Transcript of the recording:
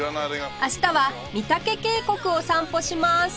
明日は御岳渓谷を散歩します